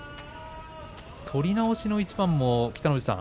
取り直しの一番も北の富士さん